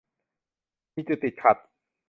มีจุดติดขัด